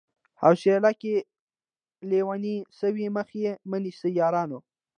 حوصلې که ليونۍ سوې مخ يې مه نيسئ يارانو